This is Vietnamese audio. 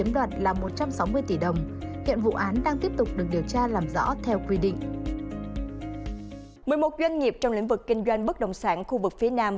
một mươi một doanh nghiệp trong lĩnh vực kinh doanh bất đồng sản khu vực phía nam